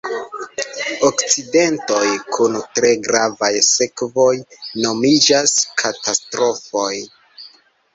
Akcidentoj kun tre gravaj sekvoj nomiĝas katastrofoj.